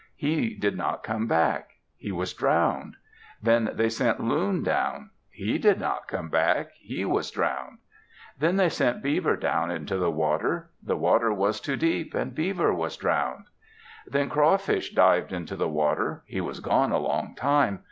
He did not come back. He was drowned. Then they sent Loon down. He did not come back. He was drowned. Then they sent Beaver down into the water. The water was too deep. Beaver was drowned. Then Crawfish dived into the water. He was gone a long time.